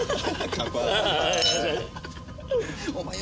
乾杯。